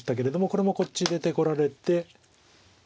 これもこっち出てこられて。